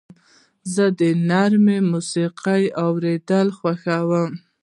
زه د نرمې موسیقۍ اورېدل خوښوم.